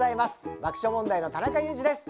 爆笑問題の田中裕二です。